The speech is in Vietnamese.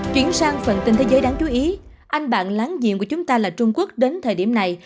chuyển sang phần tin thế giới đáng chú ý anh bạn láng giềng của chúng ta là trung quốc đến thời điểm này